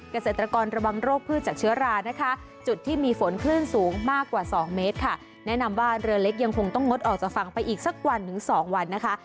กระเศรษฐกรระวังโรคพืชจากเชื้อรานะคะ